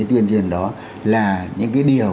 tiên chuyển đó là những điều